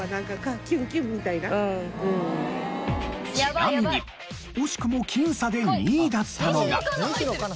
ちなみに惜しくも僅差で２位だったのが。